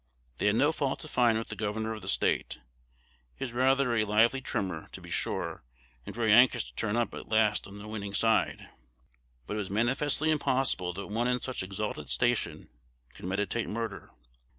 They had no fault to find with the governor of the State: he was rather a lively trimmer, to be sure, and very anxious to turn up at last on the winning side; but it was manifestly impossible that one in such exalted station could meditate murder.